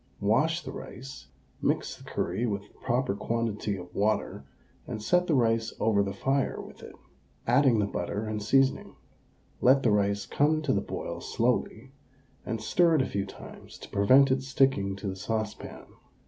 Wash the rice, mix the curry with the proper quantity of water, and set the rice over the fire with it, adding the butter and seasoning. Let the rice come to the boil slowly, and stir it a few times to prevent it sticking to the saucepan.